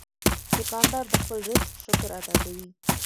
دوکاندار د خپل رزق شکر ادا کوي.